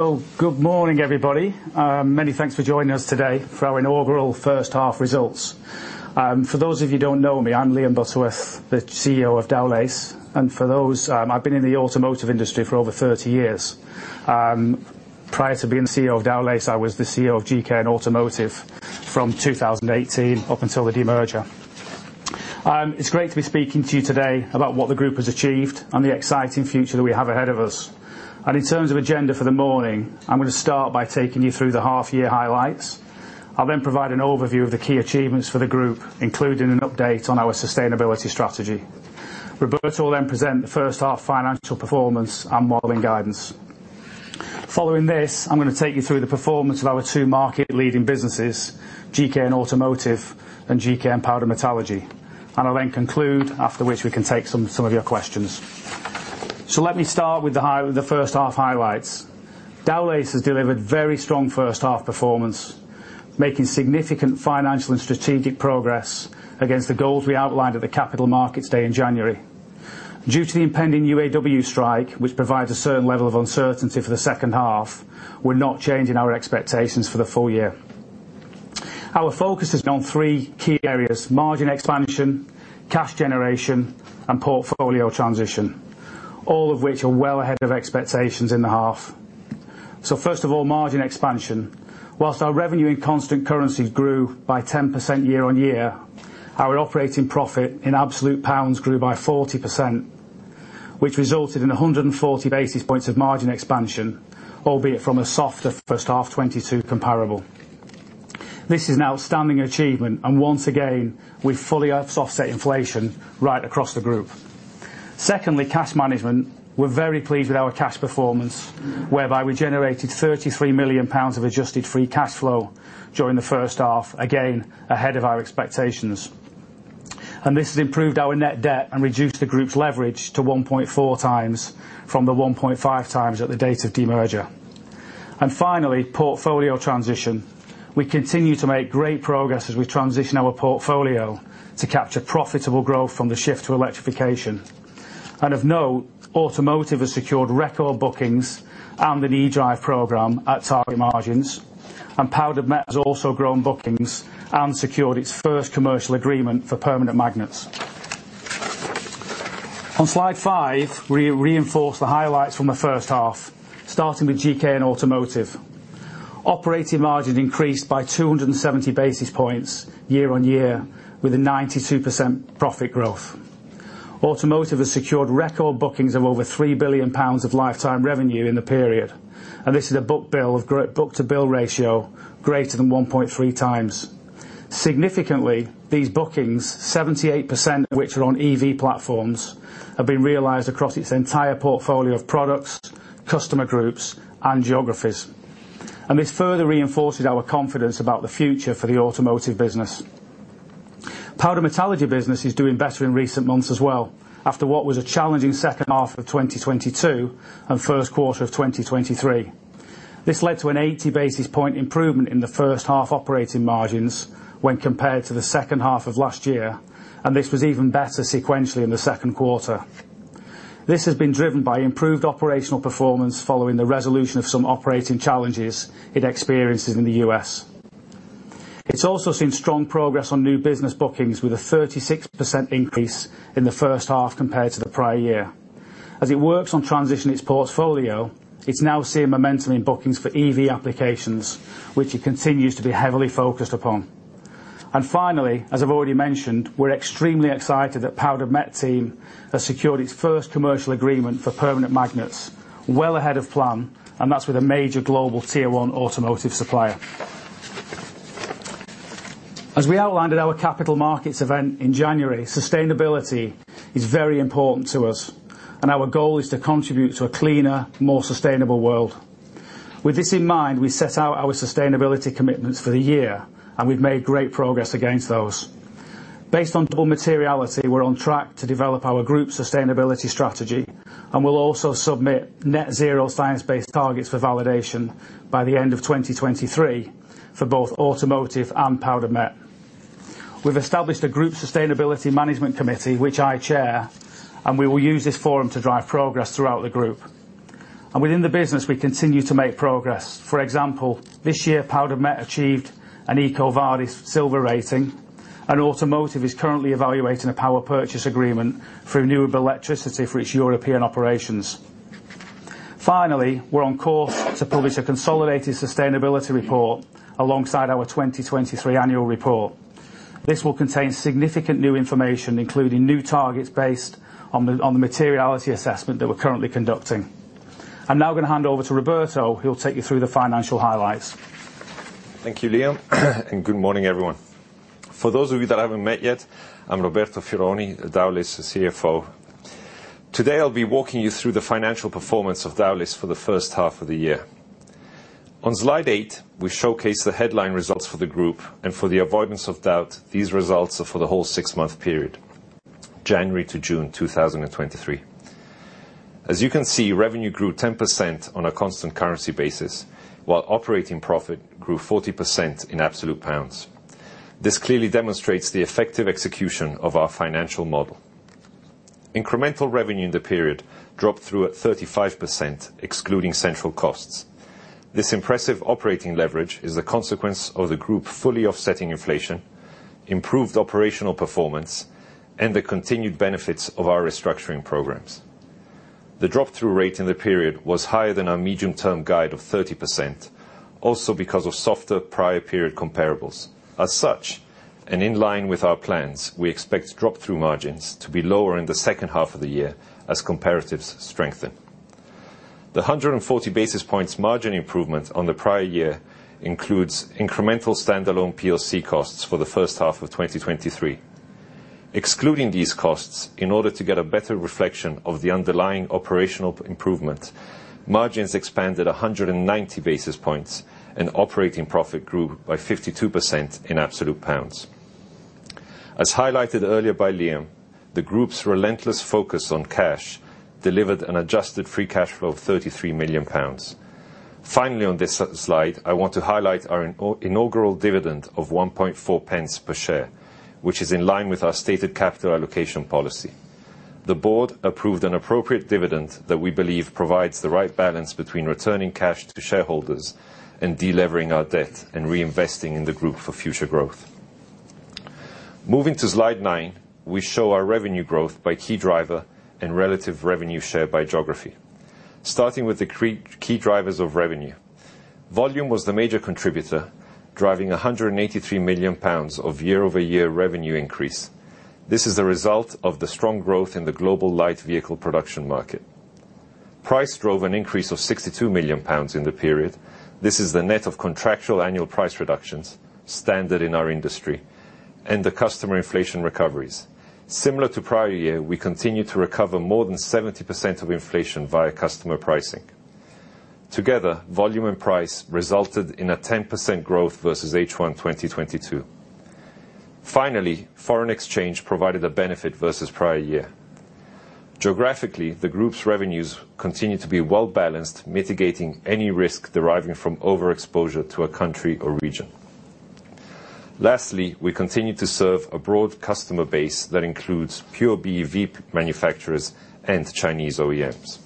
Well, good morning, everybody. Many thanks for joining us today for our inaugural first half results. For those of you who don't know me, I'm Liam Butterworth, the CEO of Dowlais. And for those, I've been in the automotive industry for over 30 years. Prior to being the CEO of Dowlais, I was the CEO of GKN Automotive from 2018 up until the demerger. It's great to be speaking to you today about what the group has achieved and the exciting future that we have ahead of us. In terms of agenda for the morning, I'm going to start by taking you through the half year highlights. I'll then provide an overview of the key achievements for the group, including an update on our sustainability strategy. Roberto will then present the first half financial performance and modeling guidance. Following this, I'm going to take you through the performance of our two market-leading businesses, GKN Automotive and GKN Powder Metallurgy. I'll then conclude, after which we can take some, some of your questions. So let me start with the first half highlights. Dowlais has delivered very strong first half performance, making significant financial and strategic progress against the goals we outlined at the Capital Markets Day in January. Due to the impending UAW strike, which provides a certain level of uncertainty for the second half, we're not changing our expectations for the full year. Our focus has been on three key areas: margin expansion, cash generation, and portfolio transition, all of which are well ahead of expectations in the half. So first of all, margin expansion. Whilst our revenue in constant currencies grew by 10% year-on-year, our operating profit in absolute pounds grew by 40%, which resulted in 140 basis points of margin expansion, albeit from a softer first half 2022 comparable. This is an outstanding achievement, and once again, we fully have offset inflation right across the group. Secondly, cash management. We're very pleased with our cash performance, whereby we generated 33 million pounds of adjusted free cash flow during the first half, again, ahead of our expectations. And this has improved our net debt and reduced the group's leverage to 1.4 times from the 1.5 times at the date of demerger. And finally, portfolio transition. We continue to make great progress as we transition our portfolio to capture profitable growth from the shift to electrification. Of note, Automotive has secured record bookings and an eDrive program at target margins, and Powder Met has also grown bookings and secured its first commercial agreement for permanent magnets. On Slide five, we reinforce the highlights from the first half, starting with GKN Automotive. Operating margin increased by 270 basis points year-on-year, with a 92% profit growth. Automotive has secured record bookings of over 3 billion pounds of lifetime revenue in the period, and this is a book-to-bill ratio greater than 1.3 times. Significantly, these bookings, 78% of which are on EV platforms, have been realized across its entire portfolio of products, customer groups, and geographies. And this further reinforces our confidence about the future for the automotive business. Powder Metallurgy business is doing better in recent months as well, after what was a challenging second half of 2022 and first quarter of 2023. This led to an 80 basis point improvement in the first half operating margins when compared to the second half of last year, and this was even better sequentially in the second quarter. This has been driven by improved operational performance following the resolution of some operating challenges it experiences in the US. It's also seen strong progress on new business bookings, with a 36% increase in the first half compared to the prior year. As it works on transitioning its portfolio, it's now seeing momentum in bookings for EV applications, which it continues to be heavily focused upon. Finally, as I've already mentioned, we're extremely excited that Powder Met team has secured its first commercial agreement for permanent magnets, well ahead of plan, and that's with a major global Tier One automotive supplier. As we outlined at our capital markets event in January, sustainability is very important to us, and our goal is to contribute to a cleaner, more sustainable world. With this in mind, we set out our sustainability commitments for the year, and we've made great progress against those. Based on double materiality, we're on track to develop our group sustainability strategy, and we'll also submit net zero science-based targets for validation by the end of 2023 for both Automotive and Powder Met. We've established a group sustainability management committee, which I chair, and we will use this forum to drive progress throughout the group. Within the business, we continue to make progress. For example, this year, Powder Met achieved an EcoVadis Silver rating, and Automotive is currently evaluating a power purchase agreement for renewable electricity for its European operations. Finally, we're on course to publish a consolidated sustainability report alongside our 2023 annual report. This will contain significant new information, including new targets based on the materiality assessment that we're currently conducting. I'm now going to hand over to Roberto, who will take you through the financial highlights. Thank you, Liam, and good morning, everyone. For those of you that I haven't met yet, I'm Roberto Fioroni, Dowlais' CFO. Today, I'll be walking you through the financial performance of Dowlais for the first half of the year. On Slide 8, we showcase the headline results for the group, and for the avoidance of doubt, these results are for the whole six-month period, January to June 2023. As you can see, revenue grew 10% on a constant currency basis, while operating profit grew 40% in absolute pounds. This clearly demonstrates the effective execution of our financial model.... Incremental revenue in the period dropped through at 35%, excluding central costs. This impressive operating leverage is a consequence of the group fully offsetting inflation, improved operational performance, and the continued benefits of our restructuring programs. The drop-through rate in the period was higher than our medium-term guide of 30%, also because of softer prior period comparables. As such, and in line with our plans, we expect drop-through margins to be lower in the second half of the year as comparatives strengthen. The 140 basis points margin improvement on the prior year includes incremental standalone POC costs for the first half of 2023. Excluding these costs, in order to get a better reflection of the underlying operational improvement, margins expanded 190 basis points, and operating profit grew by 52% in absolute pounds. As highlighted earlier by Liam, the group's relentless focus on cash delivered an adjusted free cash flow of 33 million pounds. Finally, on this slide, I want to highlight our inaugural dividend of 1.4 pence per share, which is in line with our stated capital allocation policy. The board approved an appropriate dividend that we believe provides the right balance between returning cash to shareholders and delevering our debt and reinvesting in the group for future growth. Moving to slide 9, we show our revenue growth by key driver and relative revenue share by geography. Starting with the key drivers of revenue. Volume was the major contributor, driving 183 million pounds of year-over-year revenue increase. This is a result of the strong growth in the global light vehicle production market. Price drove an increase of 62 million pounds in the period. This is the net of contractual annual price reductions, standard in our industry, and the customer inflation recoveries. Similar to prior year, we continue to recover more than 70% of inflation via customer pricing. Together, volume and price resulted in a 10% growth versus H1 2022. Finally, foreign exchange provided a benefit versus prior year. Geographically, the group's revenues continue to be well-balanced, mitigating any risk deriving from overexposure to a country or region. Lastly, we continue to serve a broad customer base that includes pure BEV manufacturers and Chinese OEMs.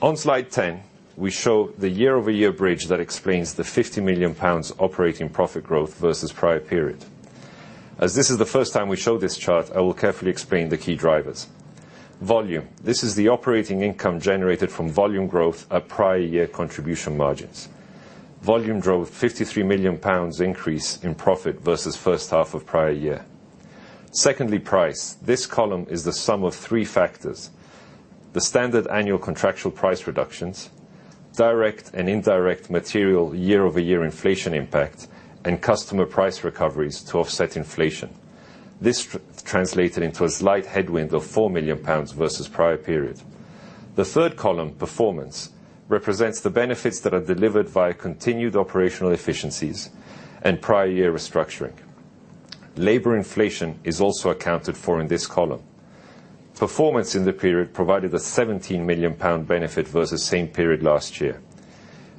On slide 10, we show the year-over-year bridge that explains the 50 million pounds operating profit growth versus prior period. As this is the first time we show this chart, I will carefully explain the key drivers. Volume. This is the operating income generated from volume growth at prior year contribution margins. Volume drove 53 million pounds increase in profit versus first half of prior year. Secondly, price. This column is the sum of three factors: the standard annual contractual price reductions, direct and indirect material year-over-year inflation impact, and customer price recoveries to offset inflation. This translated into a slight headwind of 4 million pounds versus prior period. The third column, performance, represents the benefits that are delivered via continued operational efficiencies and prior year restructuring. Labor inflation is also accounted for in this column. Performance in the period provided a 17 million pound benefit versus same period last year.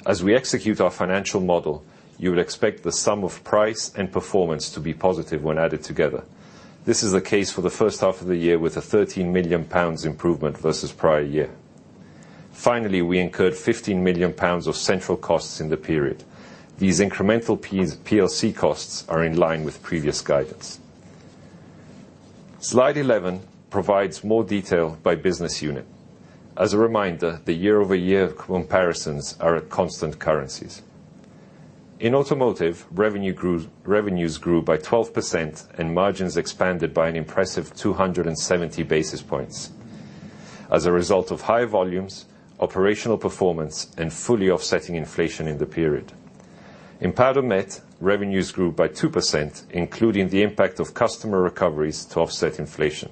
As we execute our financial model, you will expect the sum of price and performance to be positive when added together. This is the case for the first half of the year, with a 13 million pounds improvement versus prior year. Finally, we incurred 15 million pounds of central costs in the period. These incremental PLC costs are in line with previous guidance. Slide 11 provides more detail by business unit. As a reminder, the year-over-year comparisons are at constant currencies. In automotive, revenue grew, revenues grew by 12% and margins expanded by an impressive 270 basis points as a result of high volumes, operational performance, and fully offsetting inflation in the period. In Powder Met, revenues grew by 2%, including the impact of customer recoveries to offset inflation.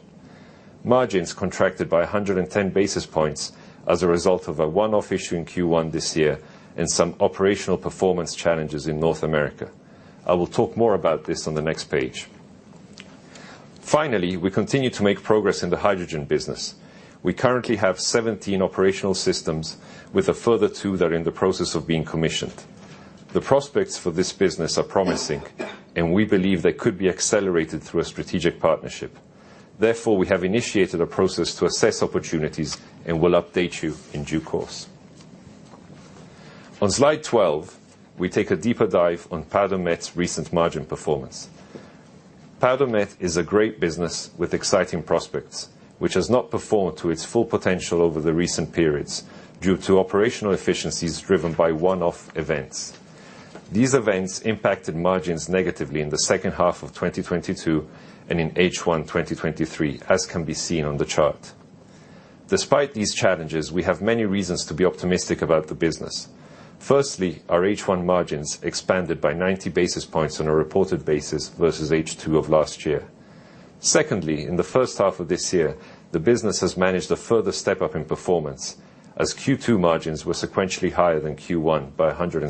Margins contracted by 110 basis points as a result of a one-off issue in Q1 this year and some operational performance challenges in North America. I will talk more about this on the next page. Finally, we continue to make progress in the hydrogen business. We currently have 17 operational systems, with a further 2 that are in the process of being commissioned. The prospects for this business are promising, and we believe they could be accelerated through a strategic partnership. Therefore, we have initiated a process to assess opportunities and will update you in due course. On slide 12, we take a deeper dive on Powder Met's recent margin performance. Powder Met is a great business with exciting prospects, which has not performed to its full potential over the recent periods due to operational efficiencies driven by one-off events. These events impacted margins negatively in the second half of 2022 and in H1 2023, as can be seen on the chart. Despite these challenges, we have many reasons to be optimistic about the business. Firstly, our H1 margins expanded by 90 basis points on a reported basis versus H2 of last year. Secondly, in the first half of this year, the business has managed a further step-up in performance, as Q2 margins were sequentially higher than Q1 by 100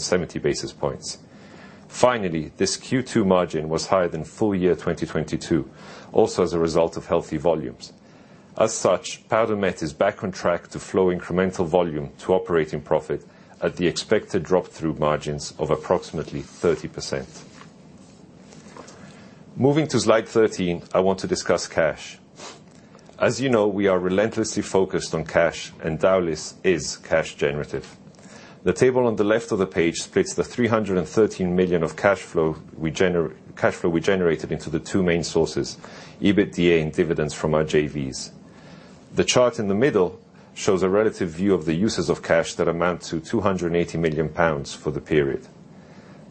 basis points. Finally, this Q2 margin was higher than full year 2022, also as a result of healthy volumes. As such, Powder Met is back on track to flow incremental volume to operating profit at the expected drop-through margins of approximately 30%. Moving to slide 13, I want to discuss cash. As you know, we are relentlessly focused on cash, and Dowlais is cash generative. The table on the left of the page splits the 313 million of cash flow we generated into the two main sources, EBITDA and dividends from our JVs. The chart in the middle shows a relative view of the uses of cash that amount to 280 million pounds for the period.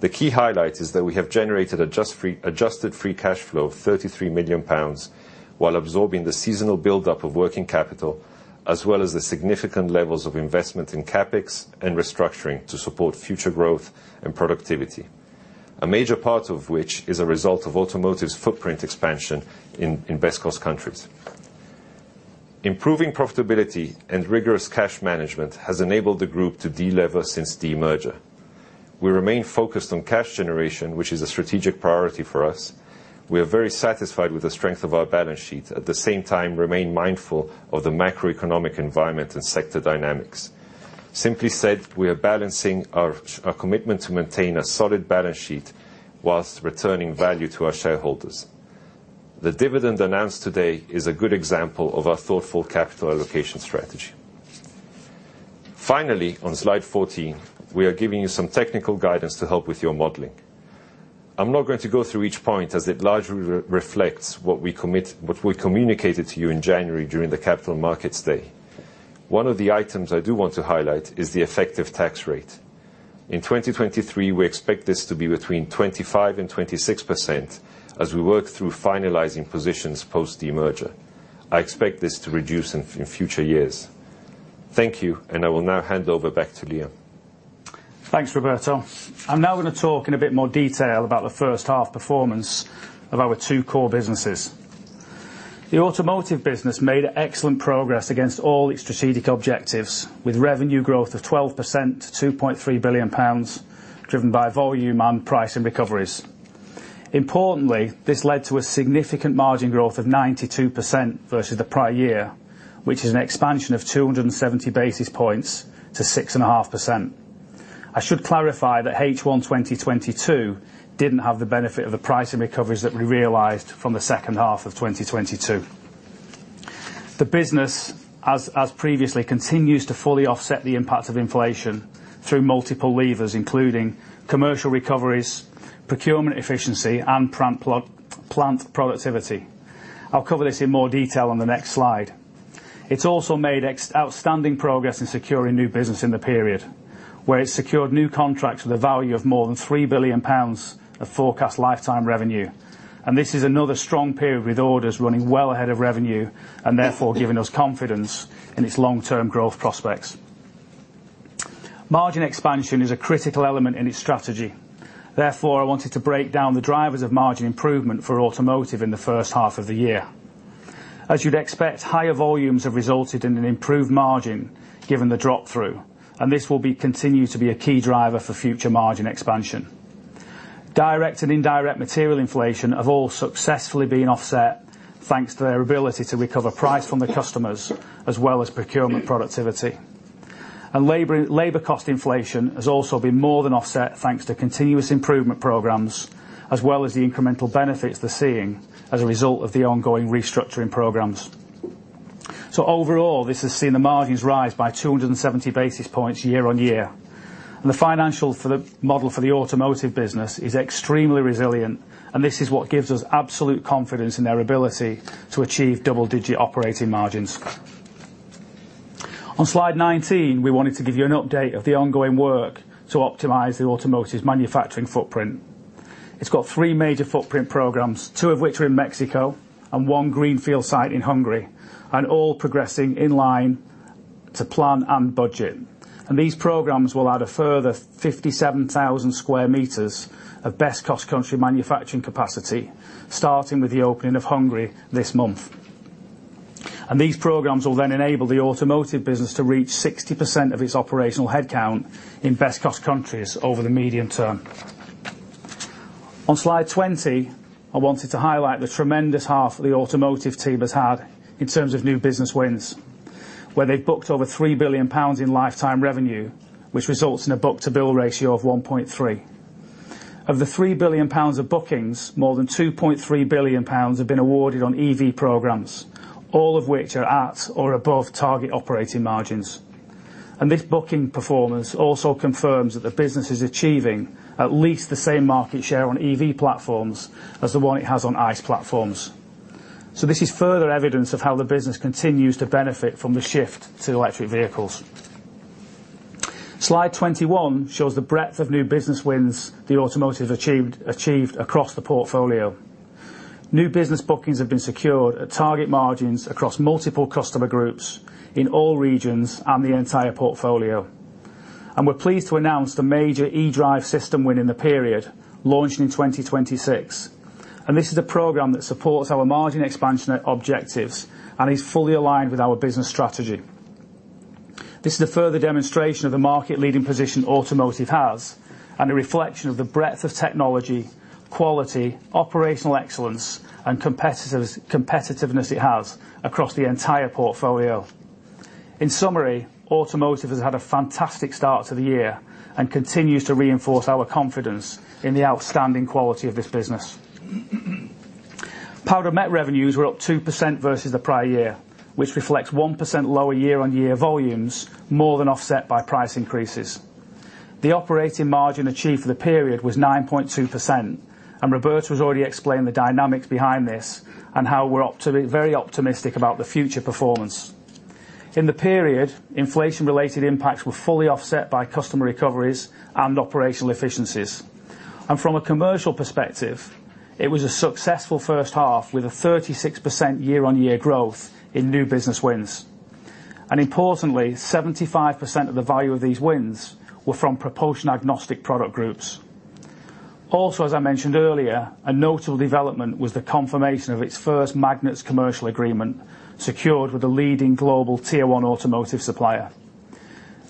The key highlight is that we have generated adjusted free cash flow of 33 million pounds, while absorbing the seasonal buildup of working capital, as well as the significant levels of investment in CapEx and restructuring to support future growth and productivity, a major part of which is a result of Automotive's footprint expansion in best cost countries. Improving profitability and rigorous cash management has enabled the group to delever since demerger. We remain focused on cash generation, which is a strategic priority for us. We are very satisfied with the strength of our balance sheet, at the same time remain mindful of the macroeconomic environment and sector dynamics. Simply said, we are balancing our, our commitment to maintain a solid balance sheet while returning value to our shareholders. The dividend announced today is a good example of our thoughtful capital allocation strategy. Finally, on slide 14, we are giving you some technical guidance to help with your modeling. I'm not going to go through each point, as it largely reflects what we commit, what we communicated to you in January during the Capital Markets Day. One of the items I do want to highlight is the effective tax rate. In 2023, we expect this to be between 25% and 26% as we work through finalizing positions post demerger. I expect this to reduce in, in future years. Thank you, and I will now hand over back to Liam. Thanks, Roberto. I'm now going to talk in a bit more detail about the first half performance of our two core businesses. The automotive business made excellent progress against all its strategic objectives, with revenue growth of 12% to 2.3 billion pounds, driven by volume and price and recoveries. Importantly, this led to a significant margin growth of 92% versus the prior year, which is an expansion of 270 basis points to 6.5%. I should clarify that H1 2022 didn't have the benefit of the pricing recoveries that we realized from the second half of 2022. The business, as previously, continues to fully offset the impact of inflation through multiple levers, including commercial recoveries, procurement efficiency, and plant productivity. I'll cover this in more detail on the next slide. It's also made exceptional progress in securing new business in the period, where it secured new contracts with a value of more than 3 billion pounds of forecast lifetime revenue. This is another strong period, with orders running well ahead of revenue and therefore giving us confidence in its long-term growth prospects. Margin expansion is a critical element in its strategy. Therefore, I wanted to break down the drivers of margin improvement for automotive in the first half of the year. As you'd expect, higher volumes have resulted in an improved margin, given the drop-through, and this will continue to be a key driver for future margin expansion. Direct and indirect material inflation has all successfully been offset, thanks to their ability to recover price from the customers, as well as procurement productivity. Labor cost inflation has also been more than offset, thanks to continuous improvement programs, as well as the incremental benefits they're seeing as a result of the ongoing restructuring programs. Overall, this has seen the margins rise by 270 basis points year-on-year. The financial model for the automotive business is extremely resilient, and this is what gives us absolute confidence in their ability to achieve double-digit operating margins. On slide 19, we wanted to give you an update of the ongoing work to optimize the automotive's manufacturing footprint. It's got three major footprint programs, two of which are in Mexico and one greenfield site in Hungary, and all progressing in line to plan and budget. These programs will add a further 57,000 square meters of best cost country manufacturing capacity, starting with the opening of Hungary this month. These programs will then enable the automotive business to reach 60% of its operational headcount in best cost countries over the medium term. On Slide 20, I wanted to highlight the tremendous haul the automotive team has had in terms of new business wins, where they've booked over 3 billion pounds in lifetime revenue, which results in a book-to-bill ratio of 1.3. Of the 3 billion pounds of bookings, more than 2.3 billion pounds have been awarded on EV programs, all of which are at or above target operating margins. This booking performance also confirms that the business is achieving at least the same market share on EV platforms as the one it has on ICE platforms. This is further evidence of how the business continues to benefit from the shift to electric vehicles. Slide 21 shows the breadth of new business wins Automotive achieved across the portfolio. New business bookings have been secured at target margins across multiple customer groups in all regions and the entire portfolio. We're pleased to announce the major eDrive system win in the period, launching in 2026. This is a program that supports our margin expansion objectives and is fully aligned with our business strategy... This is a further demonstration of the market leading position Automotive has, and a reflection of the breadth of technology, quality, operational excellence, and competitiveness it has across the entire portfolio. In summary, Automotive has had a fantastic start to the year and continues to reinforce our confidence in the outstanding quality of this business. Powder Met revenues were up 2% versus the prior year, which reflects 1% lower year-over-year volumes, more than offset by price increases. The operating margin achieved for the period was 9.2%, and Roberto has already explained the dynamics behind this, and how we're very optimistic about the future performance. In the period, inflation-related impacts were fully offset by customer recoveries and operational efficiencies. From a commercial perspective, it was a successful first half, with a 36% year-over-year growth in new business wins. And importantly, 75% of the value of these wins were from propulsion-agnostic product groups. Also, as I mentioned earlier, a notable development was the confirmation of its first magnets commercial agreement, secured with a leading global Tier One automotive supplier.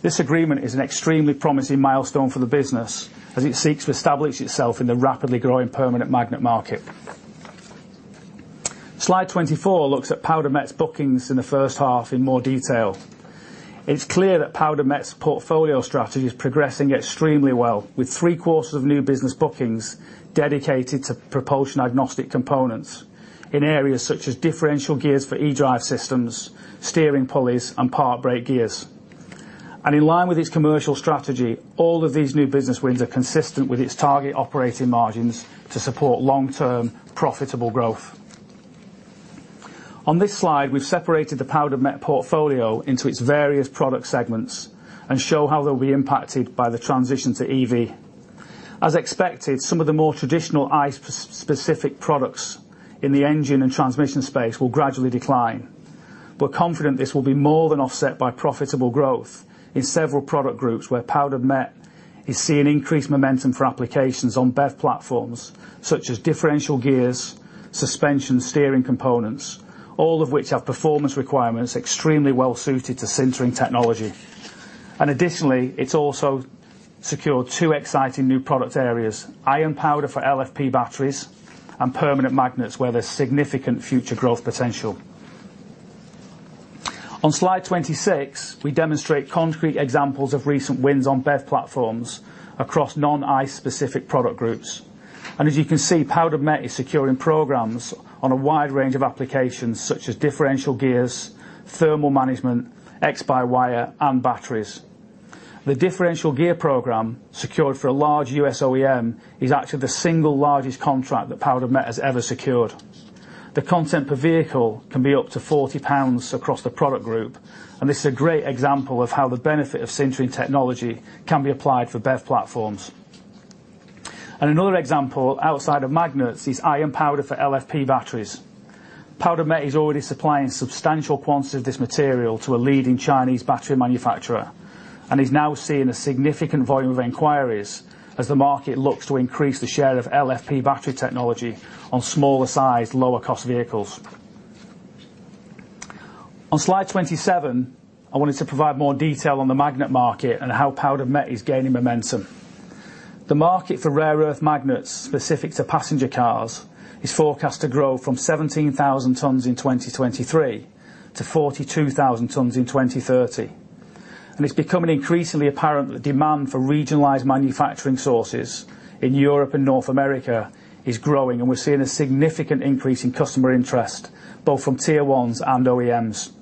This agreement is an extremely promising milestone for the business as it seeks to establish itself in the rapidly growing permanent magnet market. Slide 24 looks at Powder Met's bookings in the first half in more detail. It's clear that Powder Met's portfolio strategy is progressing extremely well, with three-quarters of new business bookings dedicated to propulsion-agnostic components in areas such as differential gears for eDrive systems, steering pulleys, and park brake gears. In line with its commercial strategy, all of these new business wins are consistent with its target operating margins to support long-term profitable growth. On this slide, we've separated the Powder Met portfolio into its various product segments and show how they'll be impacted by the transition to EV. As expected, some of the more traditional ICE-specific products in the engine and transmission space will gradually decline. We're confident this will be more than offset by profitable growth in several product groups, where Powder Met is seeing increased momentum for applications on BEV platforms such as differential gears, suspension, steering components, all of which have performance requirements extremely well suited to sintering technology. Additionally, it's also secured two exciting new product areas: iron powder for LFP batteries and permanent magnets, where there's significant future growth potential. On slide 26, we demonstrate concrete examples of recent wins on BEV platforms across non-ICE-specific product groups. As you can see, Powder Met is securing programs on a wide range of applications such as differential gears, thermal management, X-by-wire, and batteries. The differential gear program, secured for a large U.S. OEM, is actually the single largest contract that Powder Met has ever secured. The content per vehicle can be up to 40 pounds across the product group, and this is a great example of how the benefit of sintering technology can be applied for BEV platforms. Another example, outside of magnets, is iron powder for LFP batteries. Powder Met is already supplying substantial quantities of this material to a leading Chinese battery manufacturer, and is now seeing a significant volume of inquiries as the market looks to increase the share of LFP battery technology on smaller sized, lower cost vehicles. On slide 27, I wanted to provide more detail on the magnet market and how Powder Met is gaining momentum. The market for rare earth magnets specific to passenger cars is forecast to grow from 17,000 tons in 2023 to 42,000 tons in 2030. It's becoming increasingly apparent that demand for regionalized manufacturing sources in Europe and North America is growing, and we're seeing a significant increase in customer interest, both from Tier Ones and OEMs.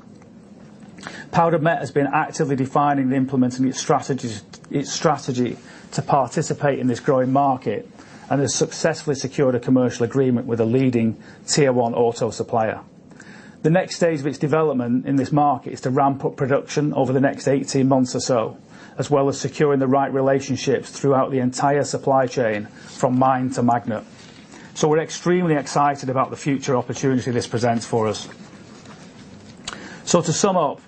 Powder Met has been actively defining and implementing its strategies, its strategy to participate in this growing market, and has successfully secured a commercial agreement with a leading Tier One auto supplier. The next stage of its development in this market is to ramp up production over the next 18 months or so, as well as securing the right relationships throughout the entire supply chain, from mine to magnet. We're extremely excited about the future opportunity this presents for us. To sum up,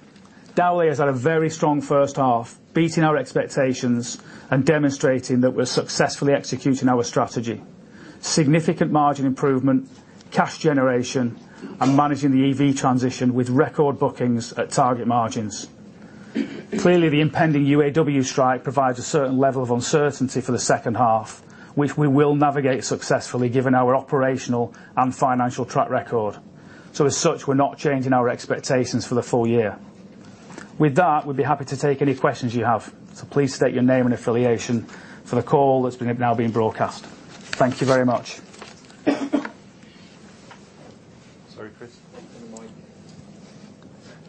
Dowlais has had a very strong first half, beating our expectations and demonstrating that we're successfully executing our strategy. Significant margin improvement, cash generation, and managing the EV transition with record bookings at target margins. Clearly, the impending UAW strike provides a certain level of uncertainty for the second half, which we will navigate successfully given our operational and financial track record. So as such, we're not changing our expectations for the full year. With that, we'd be happy to take any questions you have, so please state your name and affiliation for the call that's now being broadcast. Thank you very much. Sorry, Chris.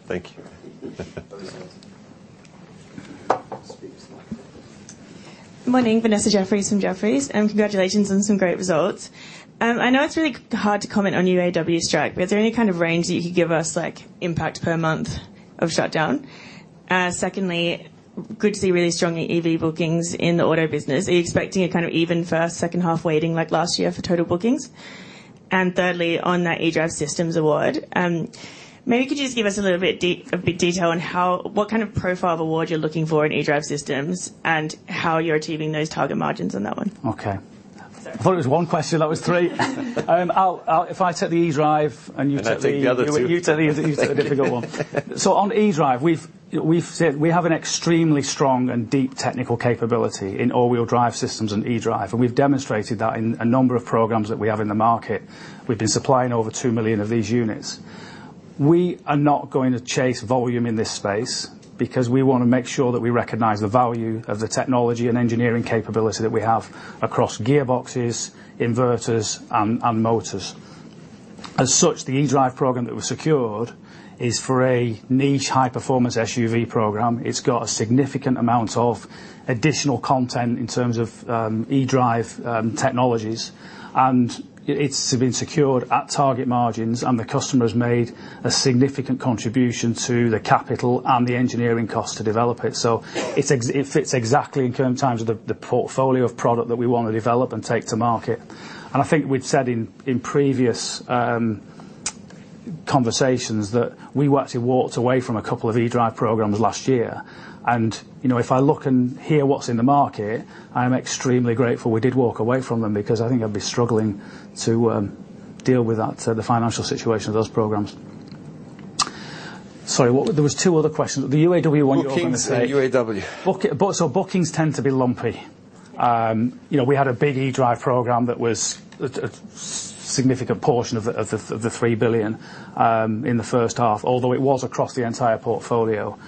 Thank you. Speak slightly. Morning, Vanessa Jefferies from Jefferies, and congratulations on some great results. I know it's really hard to comment on UAW strike, but is there any kind of range that you could give us, like, impact per month of shutdown? Secondly, good to see really strong EV bookings in the auto business. Are you expecting a kind of even first, second half weighting like last year for total bookings? And thirdly, on that eDrive systems award, maybe could you just give us a little bit a bit detail on how what kind of profile of award you're looking for in eDrive systems, and how you're achieving those target margins on that one? Okay.... I thought it was one question, that was three. I'll, if I take the eDrive and you take the- I take the other two. You take the, you take the difficult one. So on eDrive, we've, we've said we have an extremely strong and deep technical capability in all-wheel drive systems and eDrive, and we've demonstrated that in a number of programs that we have in the market. We've been supplying over 2 million of these units. We are not going to chase volume in this space because we want to make sure that we recognize the value of the technology and engineering capability that we have across gearboxes, inverters, and motors. As such, the eDrive program that was secured is for a niche, high-performance SUV program. It's got a significant amount of additional content in terms of eDrive technologies, and it's been secured at target margins, and the customer has made a significant contribution to the capital and the engineering cost to develop it. So it fits exactly in terms of the portfolio of product that we want to develop and take to market. And I think we've said in previous conversations that we actually walked away from a couple of eDrive programs last year. And, you know, if I look and hear what's in the market, I'm extremely grateful we did walk away from them, because I think I'd be struggling to deal with the financial situation of those programs. Sorry, what were... There was two other questions. The UAW one you were going to say. Bookings and UAW. Bookings, so bookings tend to be lumpy. You know, we had a big eDrive program that was a significant portion of the 3 billion in the first half, although it was across the entire portfolio.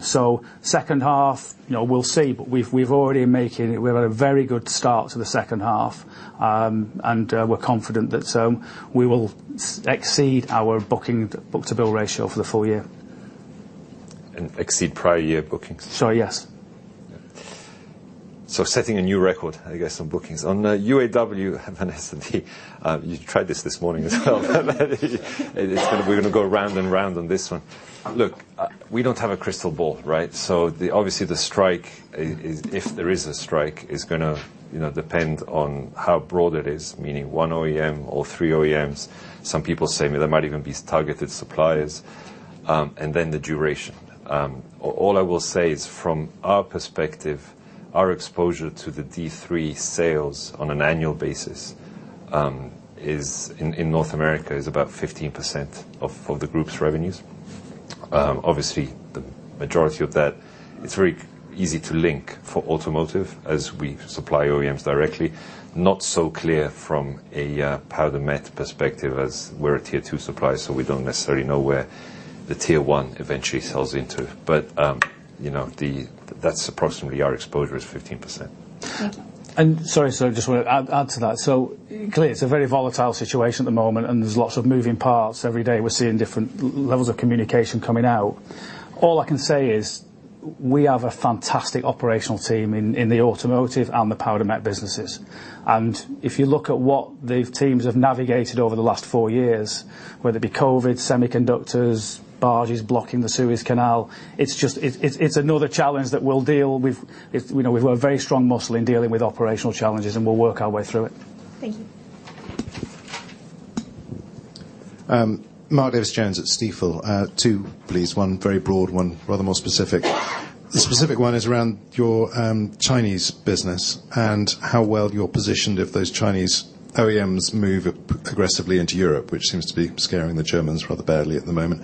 So second half, you know, we'll see, but we've already making... We're have a very good start to the second half. And we're confident that we will exceed our booking book-to-bill ratio for the full year. Exceed prior year bookings? Sorry, yes. So setting a new record, I guess, on bookings. On UAW, Vanessa, you tried this this morning as well. We're gonna go round and round on this one. Look, we don't have a crystal ball, right? So, obviously, the strike, if there is a strike, is gonna, you know, depend on how broad it is, meaning one OEM or three OEMs. Some people say there might even be targeted suppliers, and then the duration. All I will say is, from our perspective, our exposure to the D3 sales on an annual basis, is in North America is about 15% of the group's revenues. Obviously, the majority of that, it's very easy to link for automotive as we supply OEMs directly. Not so clear from a Powder Met perspective, as we're a Tier Two supplier, so we don't necessarily know where the Tier One eventually sells into. But, you know, that's approximately our exposure, is 15%. Sorry, so just want to add to that. So clearly, it's a very volatile situation at the moment, and there's lots of moving parts. Every day, we're seeing different levels of communication coming out. All I can say is, we have a fantastic operational team in the automotive and the Powder Met businesses. And if you look at what the teams have navigated over the last four years, whether it be COVID, semiconductors, barges blocking the Suez Canal, it's just another challenge that we'll deal with. You know, we've a very strong muscle in dealing with operational challenges, and we'll work our way through it. Thank you. Mark Davies Jones at Stifel. 2, please. 1 very broad, 1 rather more specific. The specific 1 is around your Chinese business and how well you're positioned if those Chinese OEMs move aggressively into Europe, which seems to be scaring the Germans rather badly at the moment.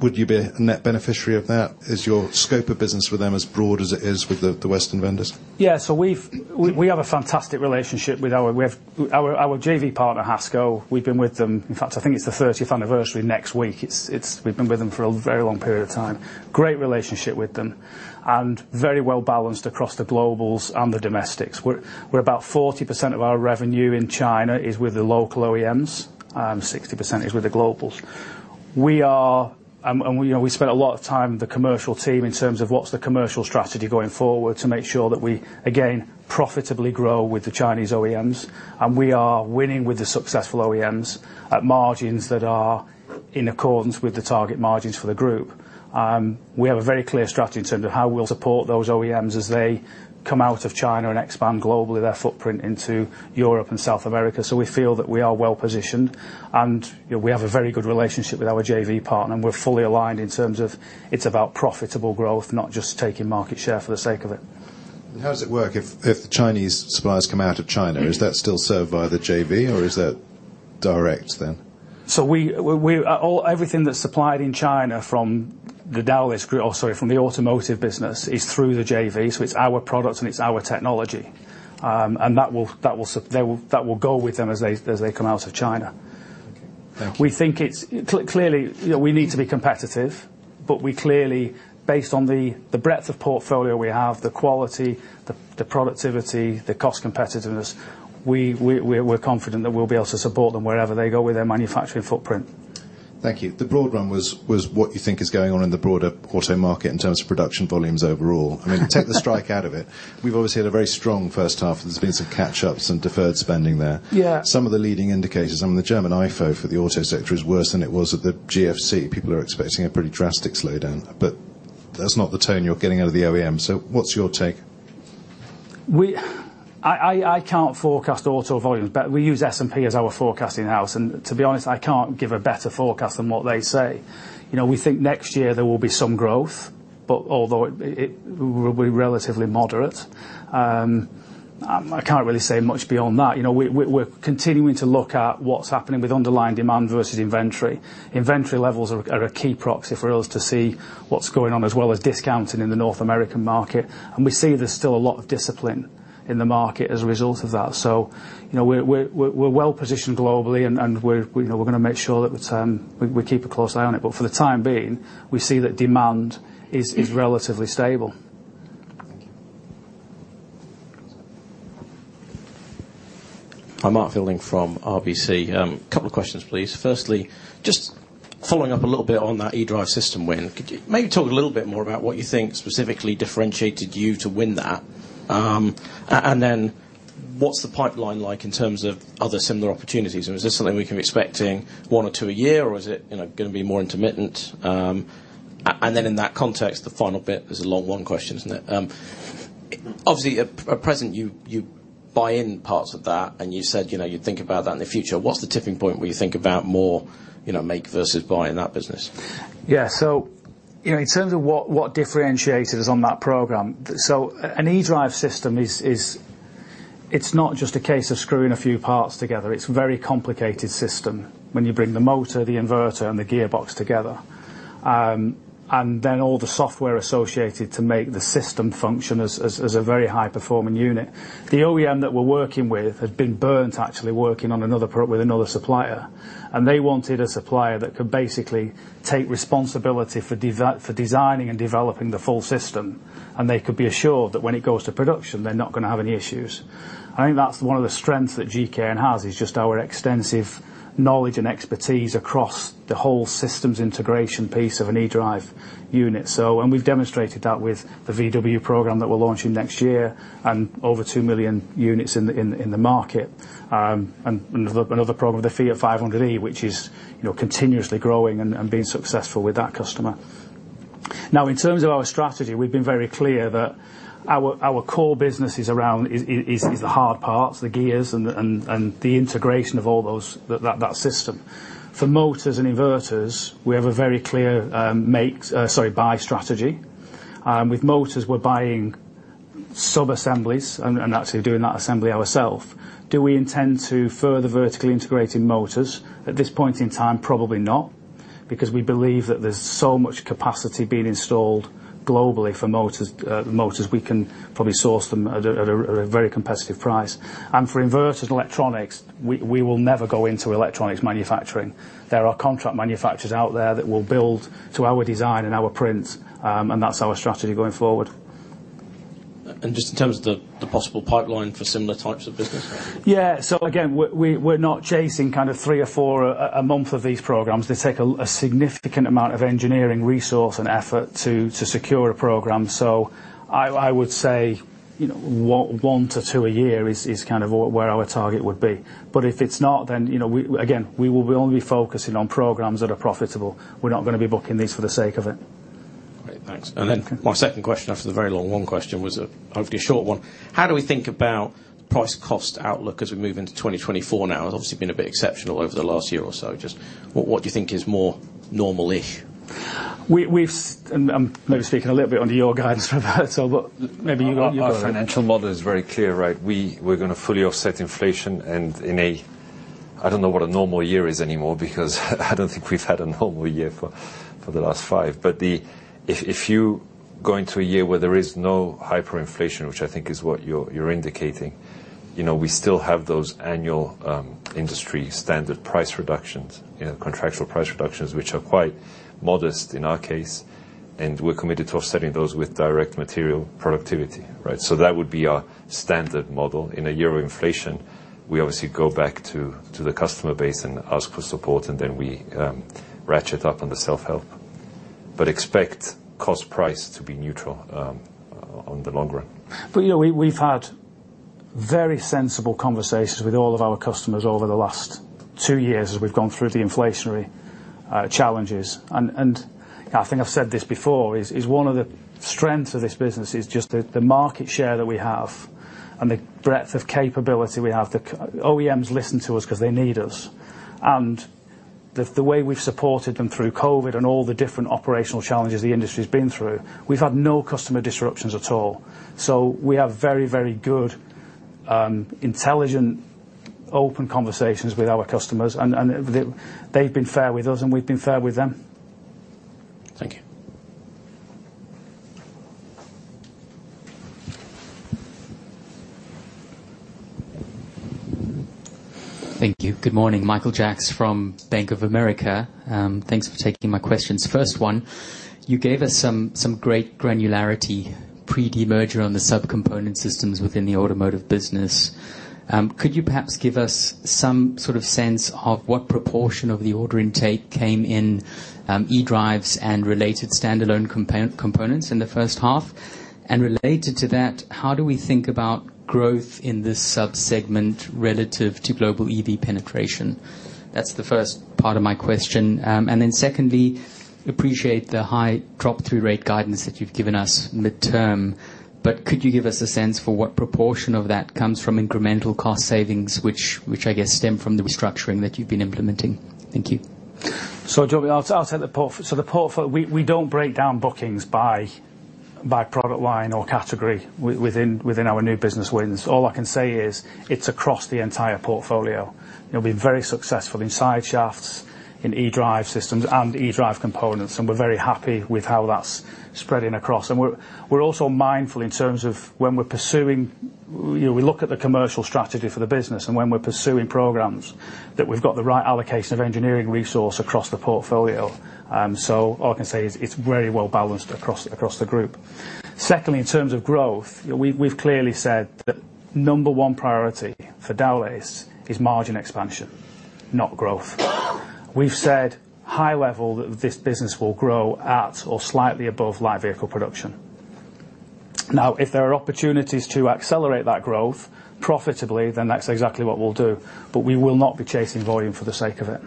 Would you be a net beneficiary of that? Is your scope of business with them as broad as it is with the Western vendors? Yeah, so we have a fantastic relationship with our JV partner, HASCO. We've been with them. In fact, I think it's the 30th anniversary next week. We've been with them for a very long period of time. Great relationship with them, and very well-balanced across the globals and the domestics. We're where about 40% of our revenue in China is with the local OEMs, and 60% is with the globals. We are, and we, you know, we spent a lot of time with the commercial team in terms of what's the commercial strategy going forward to make sure that we, again, profitably grow with the Chinese OEMs, and we are winning with the successful OEMs at margins that are in accordance with the target margins for the group. We have a very clear strategy in terms of how we'll support those OEMs as they come out of China and expand globally their footprint into Europe and South America. So we feel that we are well positioned, and, you know, we have a very good relationship with our JV partner, and we're fully aligned in terms of it's about profitable growth, not just taking market share for the sake of it. How does it work if the Chinese suppliers come out of China? Is that still served by the JV, or is that direct then? So, everything that's supplied in China from Dowlais, or sorry, from the automotive business, is through the JV, so it's our product and it's our technology. And that will go with them as they come out of China. Okay. Thank you. We think it's clearly, you know, we need to be competitive, but we clearly, based on the breadth of portfolio we have, the quality, the productivity, the cost competitiveness, we're confident that we'll be able to support them wherever they go with their manufacturing footprint. Thank you. The broad one was what you think is going on in the broader auto market in terms of production volumes overall. I mean, take the strike out of it. We've obviously had a very strong first half. There's been some catch-ups and deferred spending there. Yeah. Some of the leading indicators, I mean, the German ifo for the auto sector is worse than it was at the GFC. People are expecting a pretty drastic slowdown, but that's not the tone you're getting out of the OEM. So what's your take? I can't forecast auto volumes, but we use S&P as our forecasting house. And to be honest, I can't give a better forecast than what they say. You know, we think next year there will be some growth... but although it will be relatively moderate. I can't really say much beyond that. You know, we're continuing to look at what's happening with underlying demand versus inventory. Inventory levels are a key proxy for us to see what's going on, as well as discounting in the North American market, and we see there's still a lot of discipline in the market as a result of that. So, you know, we're well positioned globally, and we're, you know, we're gonna make sure that we keep a close eye on it. For the time being, we see that demand is relatively stable. Thank you. I'm Mark Fielding from RBC. Couple of questions, please. Firstly, just following up a little bit on that e-drive system win, could you maybe talk a little bit more about what you think specifically differentiated you to win that? And then what's the pipeline like in terms of other similar opportunities? And is this something we can be expecting one or two a year, or is it, you know, gonna be more intermittent? And then in that context, the final bit, this is a long one question, isn't it? Obviously, at present, you buy in parts of that, and you said, you know, you'd think about that in the future. What's the tipping point where you think about more, you know, make versus buy in that business? Yeah, so, you know, in terms of what differentiated us on that program, so an eDrive system is. It's not just a case of screwing a few parts together. It's a very complicated system when you bring the motor, the inverter, and the gearbox together, and then all the software associated to make the system function as a very high-performing unit. The OEM that we're working with had been burnt, actually, working on another with another supplier, and they wanted a supplier that could basically take responsibility for designing and developing the full system, and they could be assured that when it goes to production, they're not gonna have any issues. I think that's one of the strengths that GKN has, is just our extensive knowledge and expertise across the whole systems integration piece of an eDrive unit. We've demonstrated that with the VW program that we're launching next year and over 2 million units in the market. And another program, the Fiat 500e, which is, you know, continuously growing and being successful with that customer. Now, in terms of our strategy, we've been very clear that our core business is around the hard parts, the gears and the integration of all those, that system. For motors and inverters, we have a very clear make-buy strategy. With motors, we're buying subassemblies and actually doing that assembly ourselves. Do we intend to further vertically integrate in motors? At this point in time, probably not, because we believe that there's so much capacity being installed globally for motors. Motors, we can probably source them at a very competitive price. For inverters and electronics, we will never go into electronics manufacturing. There are contract manufacturers out there that will build to our design and our prints, and that's our strategy going forward. Just in terms of the possible pipeline for similar types of business? Yeah. So again, we're not chasing kind of 3 or 4 a month of these programs. They take a significant amount of engineering resource and effort to secure a program, so I would say, you know, 1 to 2 a year is kind of where our target would be. But if it's not, then, you know, we, again, will only be focusing on programs that are profitable. We're not gonna be booking these for the sake of it. Great, thanks. Okay. And then my second question, after the very long, long question, was, hopefully a short one: How do we think about price cost outlook as we move into 2024 now? Obviously, been a bit exceptional over the last year or so. Just what, what do you think is more normal-ish? and I'm maybe speaking a little bit under your guidance for that, so but maybe you, you- Our financial model is very clear, right? We're gonna fully offset inflation, and in a... I don't know what a normal year is anymore because I don't think we've had a normal year for the last five. But if you go into a year where there is no hyperinflation, which I think is what you're indicating, you know, we still have those annual industry-standard price reductions, you know, contractual price reductions, which are quite modest in our case, and we're committed to offsetting those with direct material productivity, right? So that would be our standard model. In a year of inflation, we obviously go back to the customer base and ask for support, and then we ratchet up on the self-help, but expect cost price to be neutral on the long run. But, you know, we, we've had very sensible conversations with all of our customers over the last two years as we've gone through the inflationary challenges. And I think I've said this before, one of the strengths of this business is just the market share that we have and the breadth of capability we have. The OEMs listen to us 'cause they need us, and the way we've supported them through COVID and all the different operational challenges the industry's been through, we've had no customer disruptions at all. So we have very, very good intelligent open conversations with our customers, and they've been fair with us, and we've been fair with them. Thank you. Thank you. Good morning. Michael Jacks from Bank of America. Thanks for taking my questions. First one, you gave us some great granularity pre-demerger on the subcomponent systems within the automotive business. Could you perhaps give us some sort of sense of what proportion of the order intake came in e-drives and related standalone components in the first half? And related to that, how do we think about growth in this subsegment relative to global EV penetration? That's the first part of my question. And then secondly, appreciate the high drop-through rate guidance that you've given us mid-term. But could you give us a sense for what proportion of that comes from incremental cost savings, which I guess stem from the restructuring that you've been implementing? Thank you. So Joe, I'll take the portfolio. We don't break down bookings by product line or category within our new business wins. All I can say is, it's across the entire portfolio. You know, we're very successful in sideshafts, in eDrive systems and eDrive components, and we're very happy with how that's spreading across. And we're also mindful in terms of when we're pursuing. We look at the commercial strategy for the business, and when we're pursuing programs, that we've got the right allocation of engineering resource across the portfolio. So all I can say is, it's very well balanced across the group. Secondly, in terms of growth, we've clearly said that number one priority for Dowlais is margin expansion, not growth. We've said high level, that this business will grow at or slightly above live vehicle production. Now, if there are opportunities to accelerate that growth profitably, then that's exactly what we'll do, but we will not be chasing volume for the sake of it.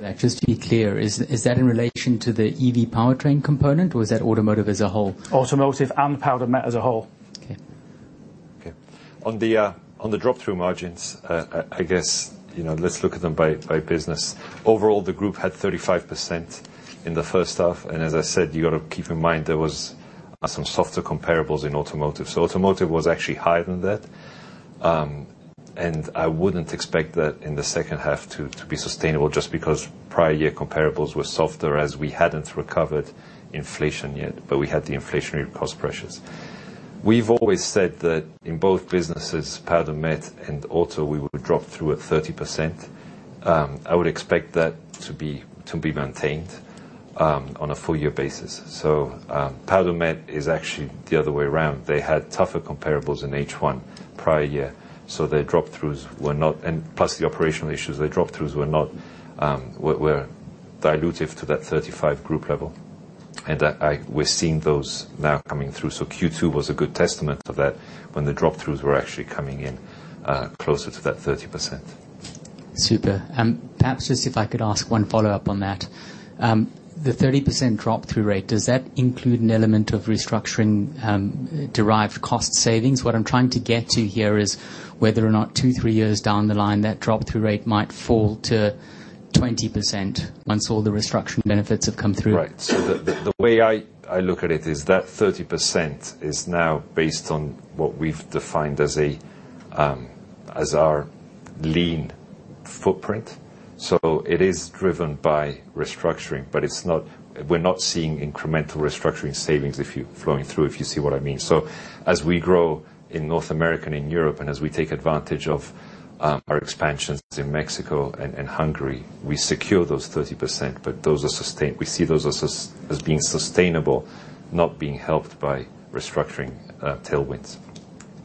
Sorry, thank you for that. Just to be clear, is that in relation to the EV powertrain component, or is that automotive as a whole? Automotive and powder metallurgy as a whole. Okay. Okay. On the drop-through margins, I guess, you know, let's look at them by business. Overall, the group had 35% in the first half, and as I said, you got to keep in mind there was some softer comparables in automotive. So automotive was actually higher than that. I wouldn't expect that in the second half to be sustainable just because prior year comparables were softer as we hadn't recovered inflation yet, but we had the inflationary cost pressures. We've always said that in both businesses, powder met and auto, we would drop through at 30%. I would expect that to be maintained on a full year basis. So, powder met is actually the other way around. They had tougher comparables in H1 prior year, so their drop-throughs were not... And plus, the operational issues, their drop-throughs were not dilutive to that 35% group level. And I, we're seeing those now coming through. So Q2 was a good testament of that when the drop-throughs were actually coming in closer to that 30%. Super. Perhaps just if I could ask one follow-up on that. The 30% drop-through rate, does that include an element of restructuring, derived cost savings? What I'm trying to get to here is whether or not two, three years down the line, that drop-through rate might fall to 20% once all the restructuring benefits have come through. Right. So the way I look at it is that 30% is now based on what we've defined as our lean footprint. So it is driven by restructuring, but it's not we're not seeing incremental restructuring savings if you flowing through, if you see what I mean. So as we grow in North America and in Europe, and as we take advantage of our expansions in Mexico and Hungary, we secure those 30%, but those are sustained. We see those as being sustainable, not being helped by restructuring tailwinds.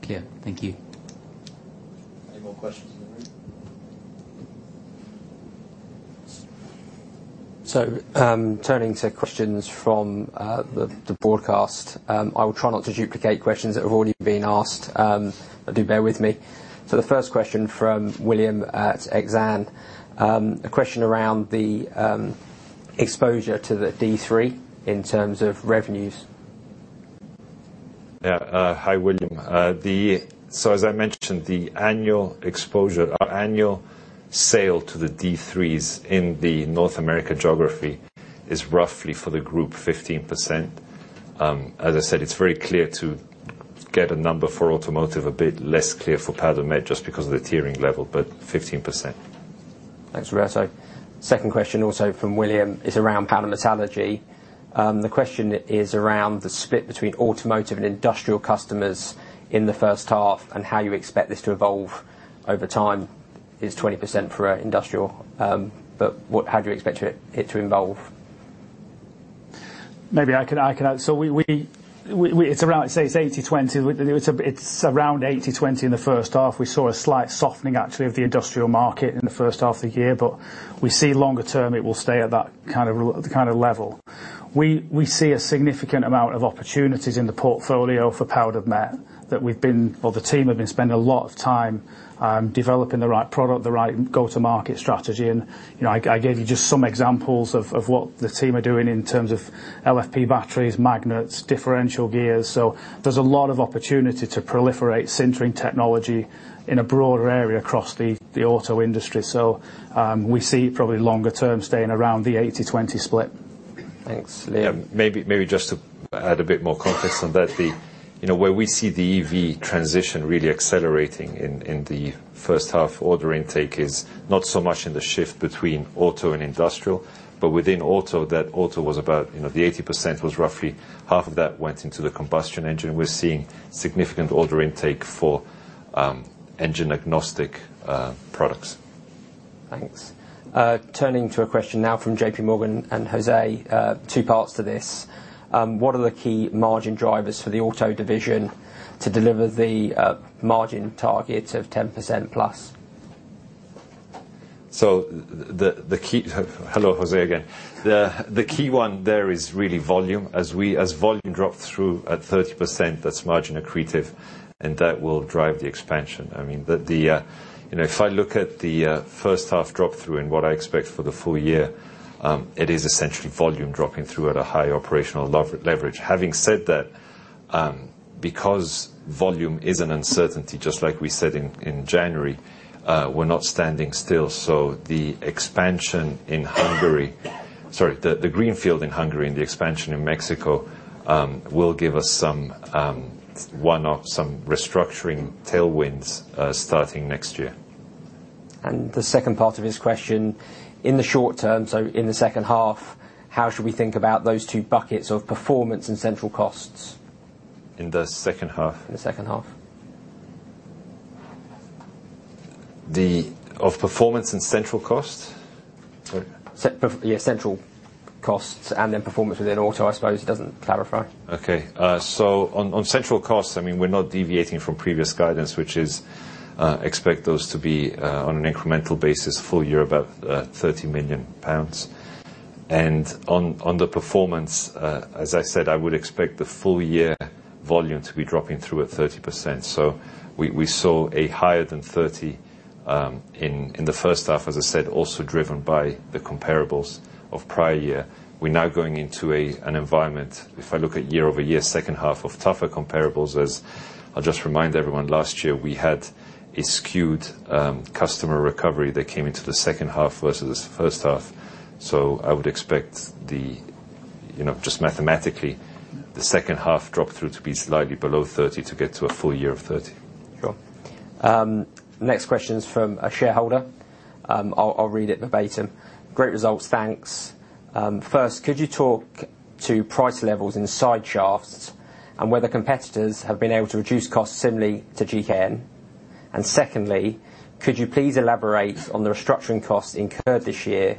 Clear. Thank you. Any more questions in the room? Turning to questions from the broadcast, I will try not to duplicate questions that have already been asked. But do bear with me. The first question from William at Exane. A question around the exposure to the D3 in terms of revenues. Yeah, hi, William. So as I mentioned, the annual exposure, our annual sale to the D3s in the North America geography is roughly for the group, 15%. As I said, it's very clear to get a number for automotive, a bit less clear for powder met, just because of the tiering level, but 15%. Thanks, Roberto. Second question, also from William, is around powder metallurgy. The question is around the split between automotive and industrial customers in the first half, and how you expect this to evolve over time. It's 20% for industrial, but how do you expect it to evolve? Maybe I can. So we—it's around, say, 80/20. It's around 80/20 in the first half. We saw a slight softening, actually, of the industrial market in the first half of the year, but we see longer term, it will stay at that kind of level. We see a significant amount of opportunities in the portfolio for powder met, that we've been, or the team have been spending a lot of time developing the right product, the right go-to-market strategy. And, you know, I gave you just some examples of what the team are doing in terms of LFP batteries, magnets, differential gears. So there's a lot of opportunity to proliferate sintering technology in a broader area across the auto industry. So, we see probably longer term staying around the 80/20 split. Thanks, William. Maybe, maybe just to add a bit more context on that. You know, where we see the EV transition really accelerating in the first half order intake is not so much in the shift between auto and industrial, but within auto, that auto was about, you know, the 80% was roughly half of that went into the combustion engine. We're seeing significant order intake for engine agnostic products. Thanks. Turning to a question now from JP Morgan and Jose, two parts to this. What are the key margin drivers for the auto division to deliver the margin target of 10%+? So the key... Hello, Jose, again. The key one there is really volume. As volume drop through at 30%, that's margin accretive, and that will drive the expansion. I mean... You know, if I look at the first half drop-through and what I expect for the full year, it is essentially volume dropping through at a high operational leverage. Having said that... Because volume is an uncertainty, just like we said in January, we're not standing still. So the expansion in Hungary, sorry, the greenfield in Hungary and the expansion in Mexico, will give us some one-off, some restructuring tailwinds, starting next year. The second part of his question, in the short term, so in the second half, how should we think about those two buckets of performance and central costs? In the second half? In the second half. Of performance and central costs? Sorry. Separate, yeah, central costs and then performance within auto, I suppose. He doesn't clarify. Okay, so on central costs, I mean, we're not deviating from previous guidance, which is expect those to be on an incremental basis, full year, about 30 million pounds. And on the performance, as I said, I would expect the full year volume to be dropping through at 30%. So we saw a higher than 30 in the first half, as I said, also driven by the comparables of prior year. We're now going into an environment, if I look at year-over-year, second half of tougher comparables, as I'll just remind everyone, last year we had a skewed customer recovery that came into the second half versus the first half. So I would expect the, you know, just mathematically, the second half drop-through to be slightly below 30 to get to a full year of 30. Sure. Next question is from a shareholder. I'll read it verbatim. "Great results. Thanks. First, could you talk to price levels in side shafts and whether competitors have been able to reduce costs similarly to GKN? And secondly, could you please elaborate on the restructuring costs incurred this year,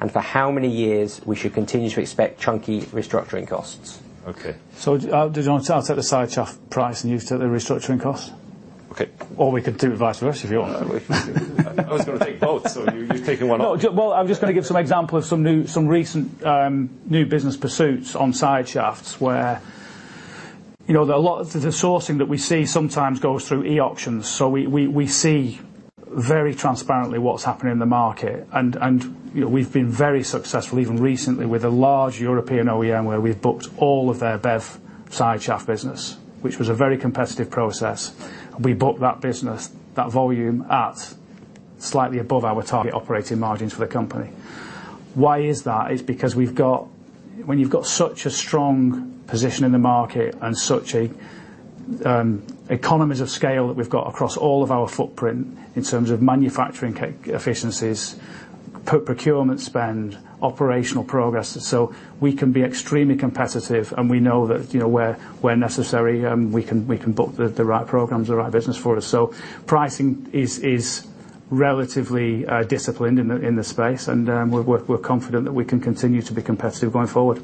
and for how many years we should continue to expect chunky restructuring costs? Okay. So do you want to... I'll take the side shaft price, and you take the restructuring cost? Okay. Or we could do vice versa if you want. I was going to take both, so you—you've taken one off. No, well, I'm just going to give some example of some new, some recent, new business pursuits on side shafts, where, you know, there are a lot of the sourcing that we see sometimes goes through e-auctions. So we see very transparently what's happening in the market. And, you know, we've been very successful, even recently, with a large European OEM, where we've booked all of their BEV side shaft business, which was a very competitive process. We booked that business, that volume, at slightly above our target operating margins for the company. Why is that? When you've got such a strong position in the market and such a economies of scale that we've got across all of our footprint in terms of manufacturing efficiencies, procurement spend, operational progress, so we can be extremely competitive, and we know that, you know, where necessary, we can book the right programs, the right business for us. So pricing is relatively disciplined in the space, and we're confident that we can continue to be competitive going forward.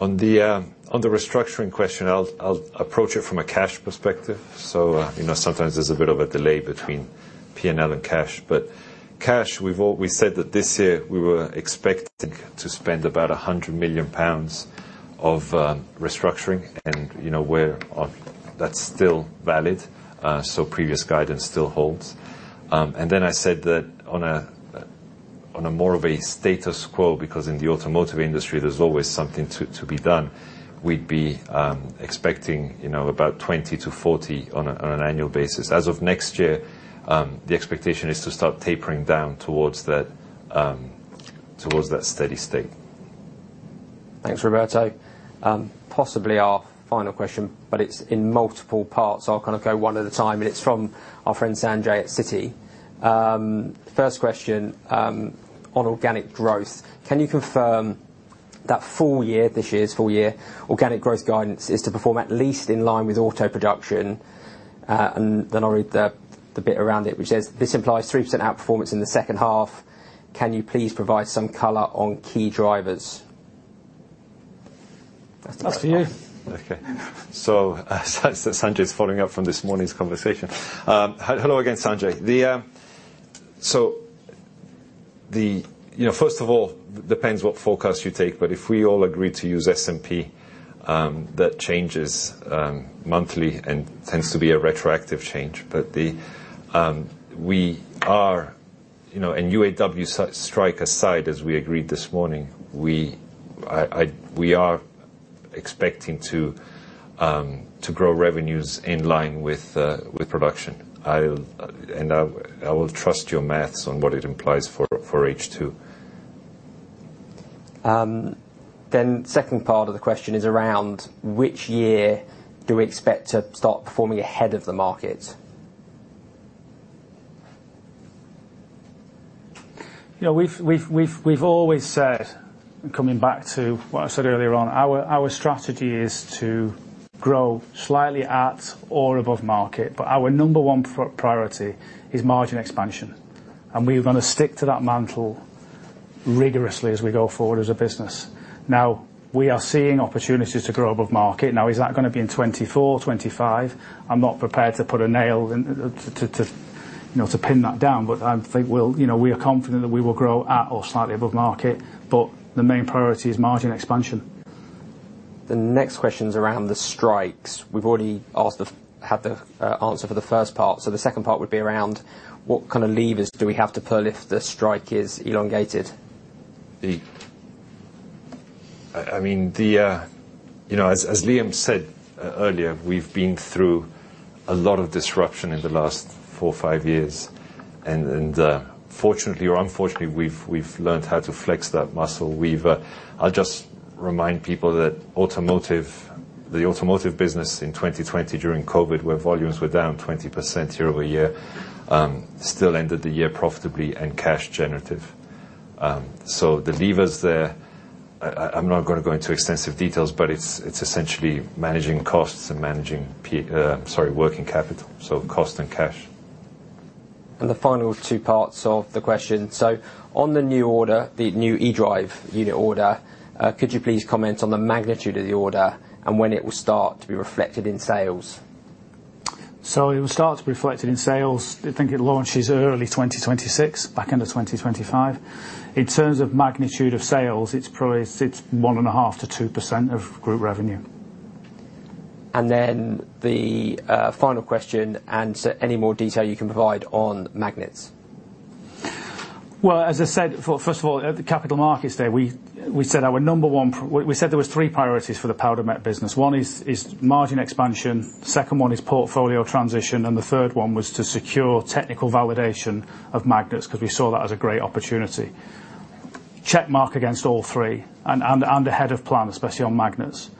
On the restructuring question, I'll approach it from a cash perspective. So, you know, sometimes there's a bit of a delay between P&L and cash, but cash, we said that this year we were expecting to spend about 100 million pounds of restructuring and, you know, we're on. That's still valid, so previous guidance still holds. And then I said that on a more of a status quo, because in the automotive industry, there's always something to be done, we'd be expecting, you know, about 20-40 million on an annual basis. As of next year, the expectation is to start tapering down towards that, towards that steady state. Thanks, Roberto. Possibly our final question, but it's in multiple parts, so I'll kind of go one at a time, and it's from our friend Sanjay at Citi. First question, on organic growth: "Can you confirm that full year, this year's full year, organic growth guidance is to perform at least in line with auto production?" And then I'll read the, the bit around it, which says, "This implies 3% outperformance in the second half. Can you please provide some color on key drivers? That's for you. Okay. So Sanjay is following up from this morning's conversation. Hello again, Sanjay. You know, first of all, depends what forecast you take, but if we all agree to use S&P, that changes monthly and tends to be a retroactive change. But we are, you know, and UAW strike aside, as we agreed this morning, we are expecting to grow revenues in line with production. I'll trust your maths on what it implies for H2. Second part of the question is around which year do we expect to start performing ahead of the market? You know, we've always said, coming back to what I said earlier on, our strategy is to grow slightly at or above market, but our number one priority is margin expansion, and we're going to stick to that mantle rigorously as we go forward as a business. Now, we are seeing opportunities to grow above market. Now, is that going to be in 2024, 2025? I'm not prepared to put a nail and to you know to pin that down, but I think we'll... You know, we are confident that we will grow at or slightly above market, but the main priority is margin expansion. The next question's around the strikes. We've already had the answer for the first part, so the second part would be around what kind of levers do we have to pull if the strike is elongated?... I mean, you know, as Liam said earlier, we've been through a lot of disruption in the last 4-5 years, and fortunately or unfortunately, we've learned how to flex that muscle. We've... I'll just remind people that the automotive business in 2020, during COVID, where volumes were down 20% year-over-year, still ended the year profitably and cash generative. So the levers there, I'm not gonna go into extensive details, but it's essentially managing costs and managing working capital, so cost and cash. The final two parts of the question. So on the new order, the new eDrive unit order, could you please comment on the magnitude of the order and when it will start to be reflected in sales? So it will start to be reflected in sales, I think it launches early 2026, back end of 2025. In terms of magnitude of sales, it's probably sits 1.5%-2% of group revenue. And then the final question, and so any more detail you can provide on magnets? Well, as I said, first of all, at the Capital Markets Day, we said there was three priorities for the Powder Met business. One is margin expansion, second one is portfolio transition, and the third one was to secure technical validation of magnets, because we saw that as a great opportunity. Check mark against all three, and ahead of plan, especially on magnets.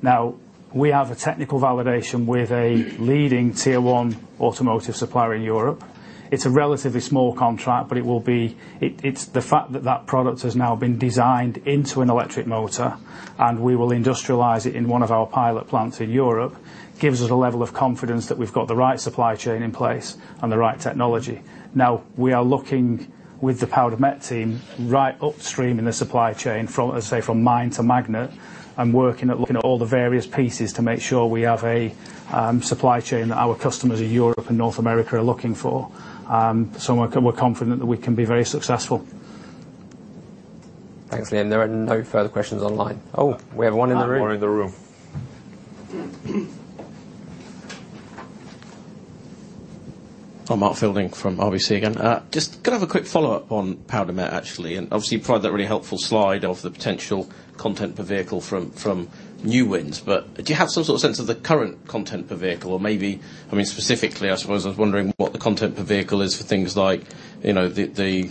Now, we have a technical validation with a leading Tier One automotive supplier in Europe. It's a relatively small contract, but it will be. It's the fact that that product has now been designed into an electric motor, and we will industrialize it in one of our pilot plants in Europe, gives us a level of confidence that we've got the right supply chain in place and the right technology. Now, we are looking with the Powder Met team, right upstream in the supply chain, from, let's say, from mine to magnet, and working at looking at all the various pieces to make sure we have a supply chain that our customers in Europe and North America are looking for. So we're, we're confident that we can be very successful. Thanks, Liam. There are no further questions online. Oh, we have one in the room? One in the room. I'm Mark Fielding from RBC, again. Just could I have a quick follow-up on Powder Met, actually, and obviously, you provided that really helpful slide of the potential content per vehicle from new wins. But do you have some sort of sense of the current content per vehicle? Or maybe, I mean, specifically, I suppose I was wondering what the content per vehicle is for things like, you know, the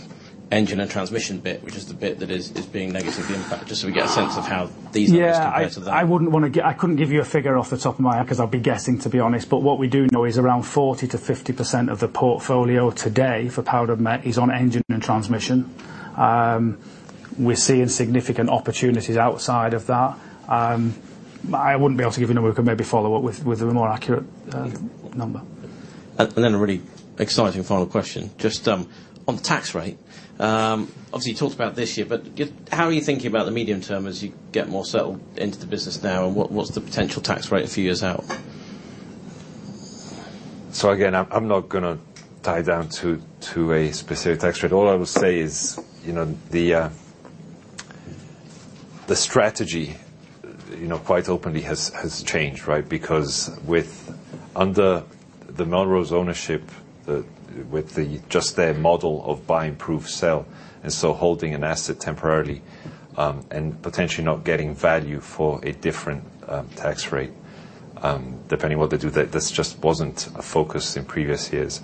engine and transmission bit, which is the bit that is being negatively impacted, just so we get a sense of how these numbers compare to that. Yeah, I wouldn't want to get... I couldn't give you a figure off the top of my head, because I'd be guessing, to be honest. But what we do know is around 40%-50% of the portfolio today for Powder Met is on engine and transmission. We're seeing significant opportunities outside of that. I wouldn't be able to give you a number, we could maybe follow up with a more accurate number. Then a really exciting final question. Just on the tax rate, obviously, you talked about this year, but how are you thinking about the medium term as you get more settled into the business now, and what's the potential tax rate a few years out? So again, I'm not gonna tie down to a specific tax rate. All I will say is, you know, the strategy, you know, quite openly has changed, right? Because under the Melrose ownership, just their model of buy, improve, sell, and so holding an asset temporarily, and potentially not getting value for a different tax rate, depending what they do, that this just wasn't a focus in previous years.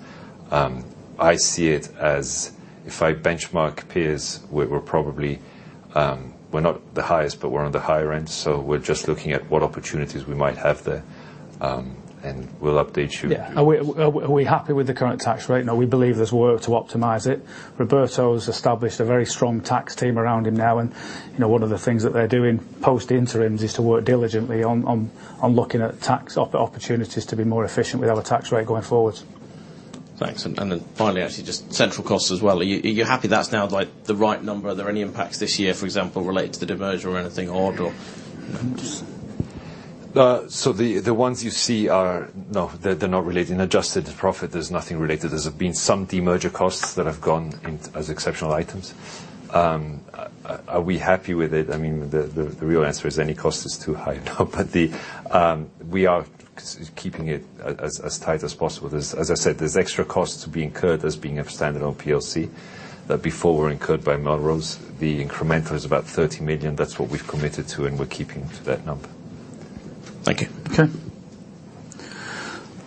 I see it as if I benchmark peers, we're probably, we're not the highest, but we're on the higher end, so we're just looking at what opportunities we might have there, and we'll update you. Yeah. Are we happy with the current tax rate? No, we believe there's work to optimize it. Roberto has established a very strong tax team around him now, and, you know, one of the things that they're doing post-interims is to work diligently on looking at tax opportunities to be more efficient with our tax rate going forward. Thanks. And then finally, actually, just central costs as well. Are you, are you happy that's now, like, the right number? Are there any impacts this year, for example, related to the demerger or anything odd, or? So the ones you see are... No, they're not related. In adjusted profit, there's nothing related. There's been some demerger costs that have gone in as exceptional items. Are we happy with it? I mean, the real answer is any cost is too high. But we are keeping it as tight as possible. There's, as I said, extra costs to be incurred as being a standalone PLC, that before were incurred by Melrose. The incremental is about 30 million. That's what we've committed to, and we're keeping to that number. Thank you. Okay.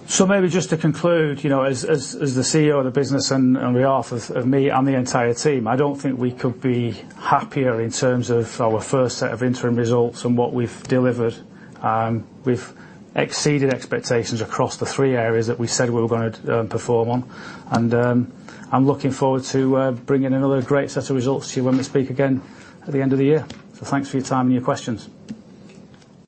So maybe just to conclude, you know, as the CEO of the business, on behalf of me and the entire team, I don't think we could be happier in terms of our first set of interim results and what we've delivered. We've exceeded expectations across the three areas that we said we were gonna perform on. I'm looking forward to bringing another great set of results to you when we speak again at the end of the year. So thanks for your time and your questions.